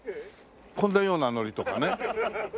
こんなような海苔とかね。